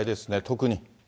特に。